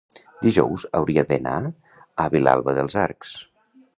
dijous hauria d'anar a Vilalba dels Arcs.